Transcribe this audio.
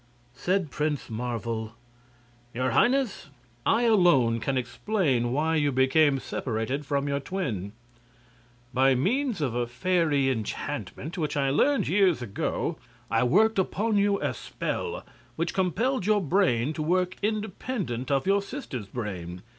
Said Prince Marvel: "Your Highness, I alone can explain why you became separated from your twin. By means of a fairy enchantment, which I learned years ago, I worked upon you a spell, which compelled your brain to work independent of your sister's brain.